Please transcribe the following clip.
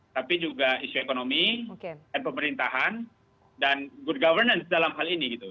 tapi juga isu ekonomi dan pemerintahan dan good governance dalam hal ini gitu